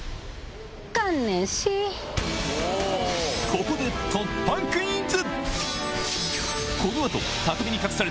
ここで突破クイズ！